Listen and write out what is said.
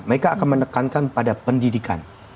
mereka akan menekankan pada pendidikan